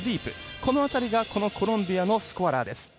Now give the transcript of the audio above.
この辺りがコロンビアのスコアラー。